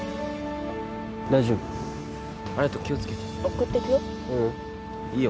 大丈夫ありがとう気をつけて送っていくよううんいいよ